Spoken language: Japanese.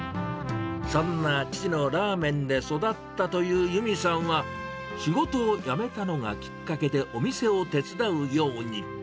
そんな父のラーメンで育ったという由美さんは、仕事を辞めたのがきっかけでお店を手伝うように。